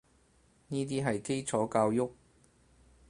呢啲係基礎教育